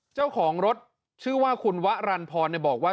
เจ้าของรถชื่อว่าคุณวะรันพรบอกว่า